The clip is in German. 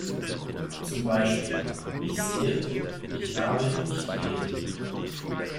Zum Beispiel: Ich sehe, ich habe, ich gehe.